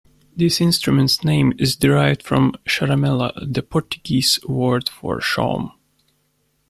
This instrument's name is derived from "charamela", the Portuguese word for shawm.